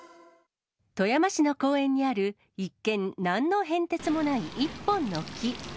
富山市の公園にある、一見、なんの変哲もない一本の木。